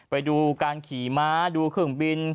ไปดูการขี่ม้าดูเครื่องบิน